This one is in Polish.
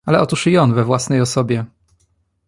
"Ale otóż i on we własnej osobie!"